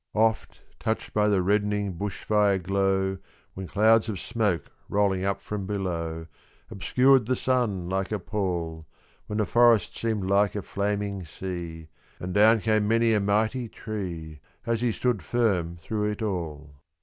Oft, touched by the reddening bush fire glow, When clouds of smoke, rolling up from below, Obscured the sun like a pall; When the forest seemed like a flaming sea, And down came many a mighty tree, Has he stood firm through it all.